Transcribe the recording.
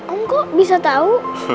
om kok bisa tau